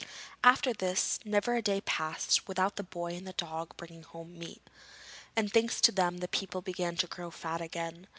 After this, never a day passed without the boy and the dog bringing home meat, and thanks to them the people began to grow fat again.